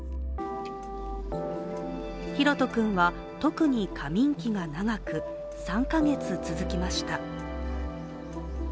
ひろと君は特に過眠期が長く３か月続きました。